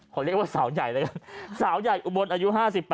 ขอเรียกว่าสาวใหญ่สาวใหญ่อุบลอายุ๕๘